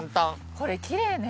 これきれいね。